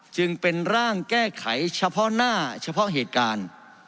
จึงเป็นร่างแก้ไขเฉพาะหน้าเฉพาะเหตุการณ์